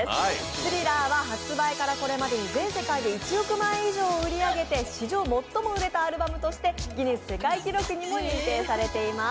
「Ｔｈｒｉｌｌｅｒ」は発売からこれまでに全世界で１億枚以上を売り上げて史上最も売れたアルバムとしてギネス世界記録にも認定されています。